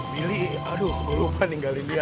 billy aduh gue lupa ninggalin dia